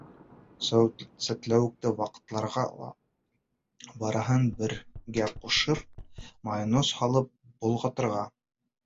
Сәтләүекте ваҡларға ла, барыһын бергә ҡушып, майонез һалып болғатырға.